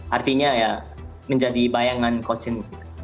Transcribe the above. artinya ya menjadi bayangan coach in